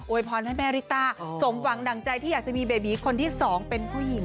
พรให้แม่ริต้าสมหวังดั่งใจที่อยากจะมีเบบีคนที่สองเป็นผู้หญิง